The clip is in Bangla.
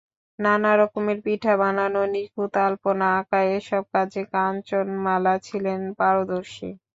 নানা রকমের পিঠা বানানো, নিখুঁত আলপনা আঁঁকা—এসব কাজে কাঞ্চনমালা ছিলেন পারদর্শী।